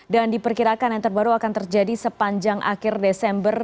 dan diperkirakan yang terbaru akan terjadi sepanjang akhir desember